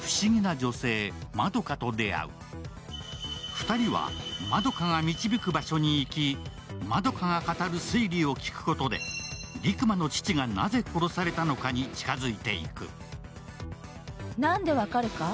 ２人は円華が導く場所に行き、円華が語る推理を聞くことで陸真の父がなぜ殺されたのかに近づいていく。